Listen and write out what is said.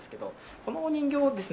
このお人形ですね